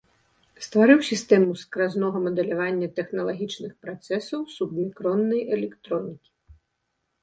Стварыў сістэму скразнога мадэлявання тэхналагічных працэсаў субмікроннай электронікі.